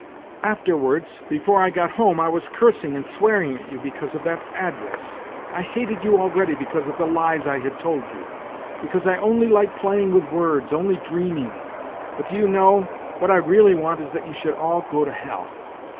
Afterwards, before I got home, I was cursing and swearing at you because of that address, I hated you already because of the lies I had told you. Because I only like playing with words, only dreaming, but, do you know, what I really want is that you should all go to hell.